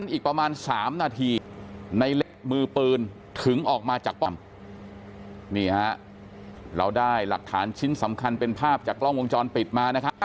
อีกประมาณ๓นาทีในเล็กมือปืนถึงออกมาจากป้อมนี่ฮะเราได้หลักฐานชิ้นสำคัญเป็นภาพจากกล้องวงจรปิดมานะครับ